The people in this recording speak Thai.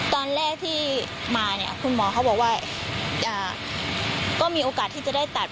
ตอนแรกที่มาเนี่ยคุณหมอเขาบอกว่าก็มีโอกาสที่จะได้ตัด